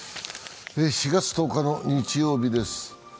４月１０日の日曜日です。